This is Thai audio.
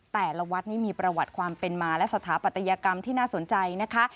แต่ละวัดนี้มีประวัติความเป็นมาและสถาปัตยกรรมที่น่าสนใจนะคะ